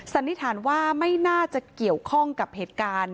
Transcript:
สันนิษฐานว่าไม่น่าจะเกี่ยวข้องกับเหตุการณ์